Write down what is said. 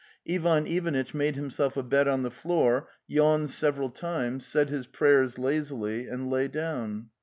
Ivan Ivanitch made himself a bed on the floor, yawned several times, said his prayers lazily, and lay down.